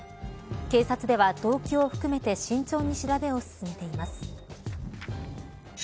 警察では動機を含めて慎重に調べを進めています